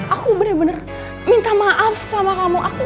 aku bener bener minta maaf sama kamu aku